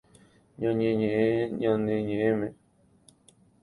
Ñañeʼẽne ñane ñeʼẽme.